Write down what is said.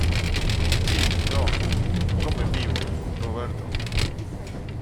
si no, nos comen vivos. Roberto .